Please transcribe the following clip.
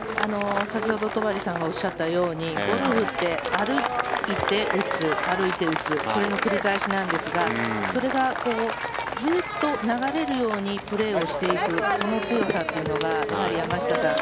先ほど戸張さんがおっしゃったようにゴルフって歩いて打つ、歩いて打つそれの繰り返しなんですがそれがずっと流れるようにプレーをしていくその強さというのがやはり山下さん